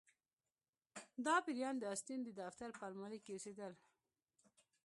دا پیریان د اسټین د دفتر په المارۍ کې اوسیدل